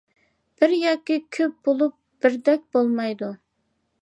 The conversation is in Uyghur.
بىر ياكى كۆپ بولۇپ، بىردەك بولمايدۇ.